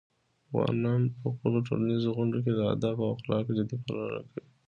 افغانان په خپلو ټولنیزو غونډو کې د "ادب" او "اخلاقو" جدي پاملرنه کوي.